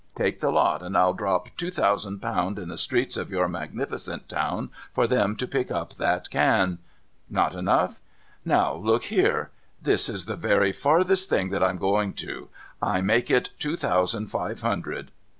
Take the lot, and I'll drop two thousand pound in the streets of your magnificent town for them to pick up that can. Not enough ? Now look here. This is the very furthest that I'm a going to. I'll make it two thousand five hundred.